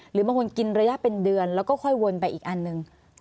หรือบางคนกินระยะเป็นเดือนแล้วก็ค่อยวนไปอีกอันหนึ่ง